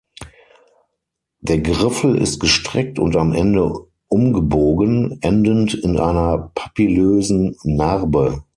Der Griffel ist gestreckt und am Ende umgebogen, endend in einer papillösen Narbe.